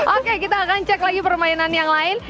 oke kita akan cek lagi permainan yang lain